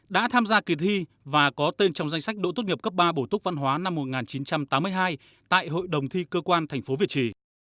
đã tham gia kỳ thi và có tên trong danh sách đỗ tốt nghiệp cấp ba bổ túc văn hóa năm một nghìn chín trăm tám mươi hai tại hội đồng thi cơ quan thành phố việt trì